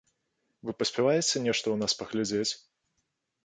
Вы паспяваеце нешта ў нас паглядзець?